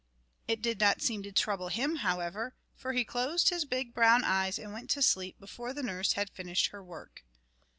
It did not seem to trouble him, however, for he closed his big brown eyes and went to sleep before the nurse had finished her work.